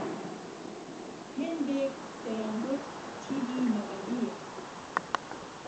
هيندێک دهیانگوت تیرینهبهدییه